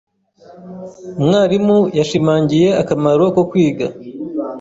Umwarimu yashimangiye akamaro ko kwiga.